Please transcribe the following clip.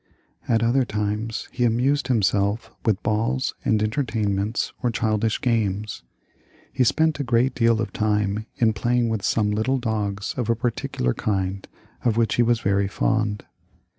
At other times he amused himseK with balls and entertainments, or childish games ; he spent a great deal of time in playing with some little dogs of a particular kind of which he was very fond.